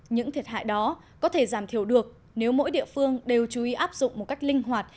những thiệt hại đó có thể giảm thiểu được nếu mỗi địa phương đều chú ý áp dụng một cách linh hoạt